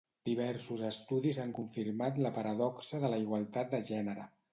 Diversos estudis han confirmat la paradoxa de la igualtat de gènere.